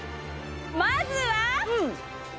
まずは。